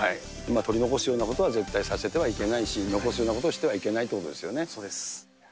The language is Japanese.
取り残すようなことは絶対させてはいけないし、残すようなことはしてはいけないということでそうです。